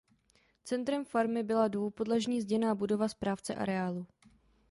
Centrem farmy byla dvoupodlažní zděná budova správce areálu.